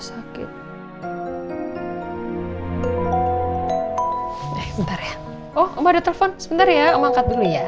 sebentar ya om angkat dulu ya